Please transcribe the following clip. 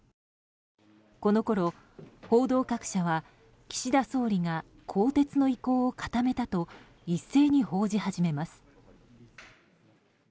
このころ、報道各社は岸田総理が更迭の意向を固めたと一斉に報じ始めます。